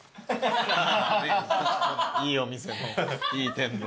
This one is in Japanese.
いいお店のいい天丼。